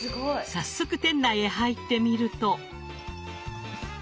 早速店内へ入ってみると。